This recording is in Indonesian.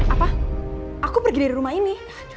apa aku pergi dari rumah ini